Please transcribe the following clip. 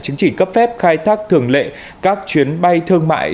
chứng chỉ cấp phép khai thác thường lệ các chuyến bay thương mại